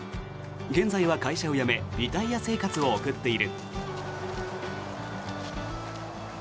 現在は会社を辞めリタイア生活を送っている。